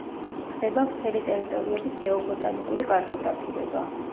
ხდება ვრცელი ტერიტორიების გეობოტანიკური კარტოგრაფირება.